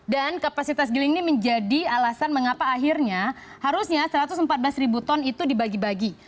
dan kapasitas giling ini menjadi alasan mengapa akhirnya harusnya satu ratus empat belas ribu ton itu dibagi bagi